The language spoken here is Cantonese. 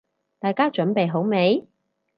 大家準備好未？